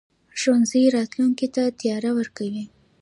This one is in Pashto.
ښوونځی راتلونکي ته تیاری ورکوي.